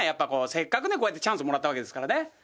せっかくねこうやってチャンスもらったわけですからね。